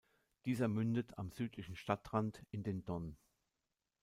Dieser mündet am südlichen Stadtrand in den Don.